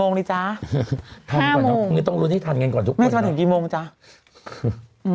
แม่จ๋าเราวันนี้แม่จะมาถึงกี่โมงด้วยจ๋าอืม